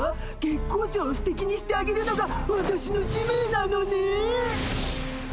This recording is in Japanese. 月光町をすてきにしてあげるのがわたしの使命なのね。